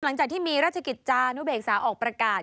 หลังจากที่มีราชกิจจานุเบกษาออกประกาศ